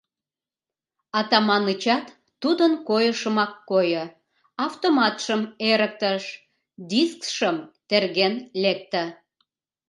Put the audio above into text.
Атаманычат тудын койышымак койо: автоматшым эрыктыш, дискшым терген лекте.